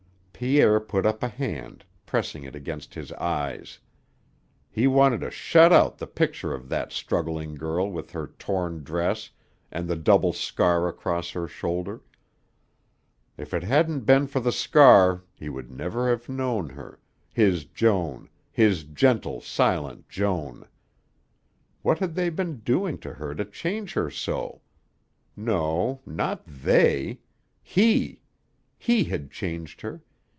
Pierre put up a hand, pressing it against his eyes. He wanted to shut out the picture of that struggling girl with her torn dress and the double scar across her shoulder. If it hadn't been for the scar he would never have known her his Joan, his gentle, silent Joan! What had they been doing to her to change her so? No, not they. He. He had changed her.